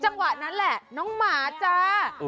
จังหวะนั้นแหละน้องหมาจ้า